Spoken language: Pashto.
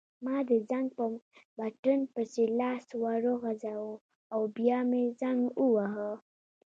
ما د زنګ په بټن پسې لاس وروغځاوه او بیا مې زنګ وواهه.